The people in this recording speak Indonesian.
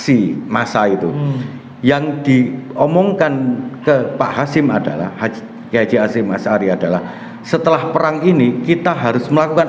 itu yang diomongkan ke pak hasim adalah ke eji hasyim adalah setelah perang ini kita harus melakukan